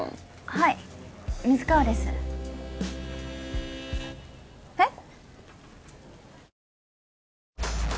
はい水川ですへっ？